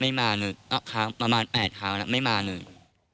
ไม่มาหนึ่งประมาณไปแถวแล้วไม่มาหนึ่ง